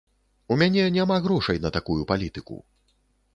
У мяне няма грошай на такую палітыку.